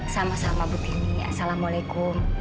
sama sama bu benny assalamualaikum